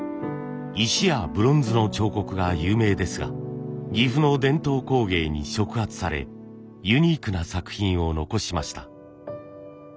石やブロンズの彫刻が有名ですが岐阜の伝統工芸に触発されユニークな作品を残しました。